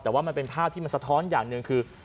แต่ว่ามันเป็นภาพที่มันสะท้อนอย่างหนึ่งคือ